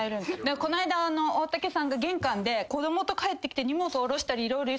こないだ大竹さんが玄関で子供と帰ってきて荷物おろしたり色々。